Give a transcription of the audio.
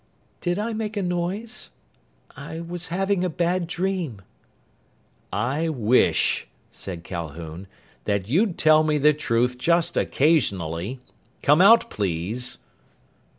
"Did I make a noise? I was having a bad dream." "I wish," said Calhoun, "that you'd tell me the truth just occasionally! Come out, please!"